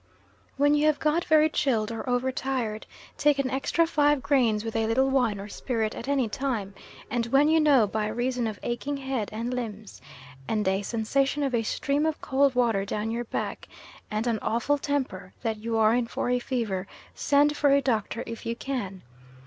When you have got very chilled or over tired, take an extra five grains with a little wine or spirit at any time, and when you know, by reason of aching head and limbs and a sensation of a stream of cold water down your back and an awful temper, that you are in for a fever, send for a doctor if you can.